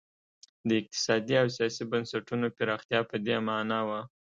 د اقتصادي او سیاسي بنسټونو پراختیا په دې معنا وه.